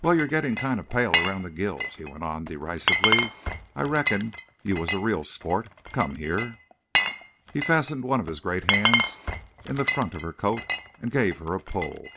"Wal, you're gettin' kinda pale around the gills," he went on, derisively. "I reckoned you was a real sport.... Come here." He fastened one of his great hands in the front of her coat and gave her a pull.